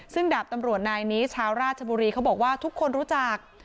ซึ่งดาบตำรวจนายนี้ชาวราชบุรีเขาบอกว่าทุกคนรู้จัก